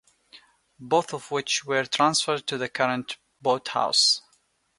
Both of which were transferred to the current boathouse.